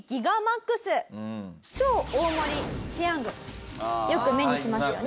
超大盛ペヤングよく目にしますよね。